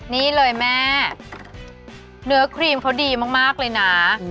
นี่เลยแม่เนื้อครีมเขาดีมากเลยนะ